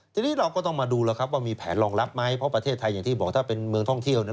ทีนี้เราก็ต้องมาดูแล้วครับว่ามีแผนรองรับไหมเพราะประเทศไทยอย่างที่บอกถ้าเป็นเมืองท่องเที่ยวเนี่ย